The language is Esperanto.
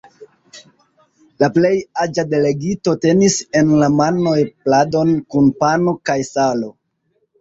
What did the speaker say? La plej aĝa delegito tenis en la manoj pladon kun pano kaj salo.